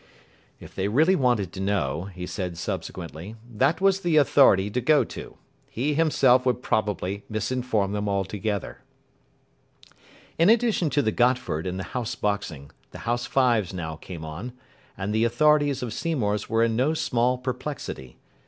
If they really wanted to know, he said subsequently, that was the authority to go to. He himself would probably misinform them altogether. In addition to the Gotford and the House Boxing, the House Fives now came on, and the authorities of Seymour's were in no small perplexity.